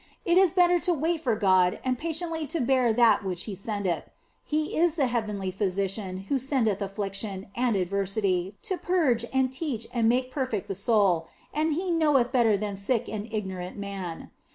It is better to wait for God and patiently to bear that which He sendeth ; He is the heavenly Physician who sendeth affliction and adversity to purge and teach and make perfect the soul, and He knoweth better than sick and ignorant man.